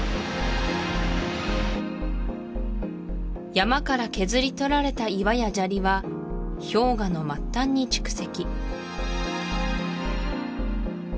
山から削り取られた岩や砂利は氷河の末端に蓄積